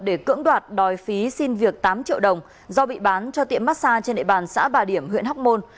để cưỡng đoạt đòi phí xin việc tám triệu đồng do bị bán cho tiệm massage trên địa bàn xã bà điểm huyện hóc môn